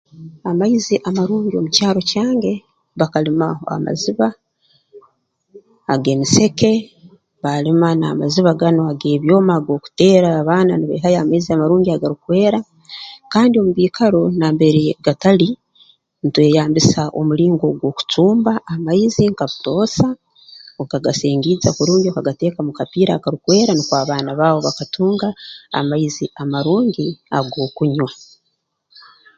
Amaizi amarungi omu kyaro kyange bakalima amaziba ag'emiseke baalima n'amaziba ganu ag'ebyoma ag'okuteera abaana nibaihayo amaizi amarungi agarukwera kandi omu biikaro nambere gatali ntweyambisa omulingo gw'okucumba amaizi nka butoosa okagasengiija kurungi okagateeka mu kapiira akarukwera nukwo abaana baawe bakatunga amaizi amarungi ag'okunywa